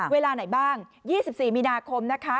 เวลาไหนบ้าง๒๔มีนาคมนะคะ